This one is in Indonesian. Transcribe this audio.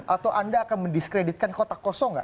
atau anda akan mendiskreditkan kota kosong nggak